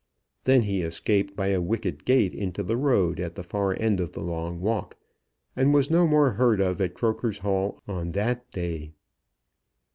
Then he escaped by a wicket gate into the road at the far end of the long walk, and was no more heard of at Croker's Hall on that day.